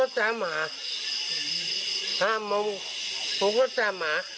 ถูกก็ตามหา